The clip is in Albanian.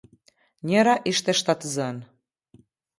Njëra ishte shtatzënë.